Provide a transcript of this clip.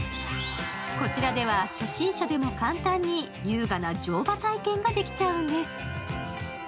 こちらでは初心者でも簡単に優雅な乗馬体験ができちゃうんです。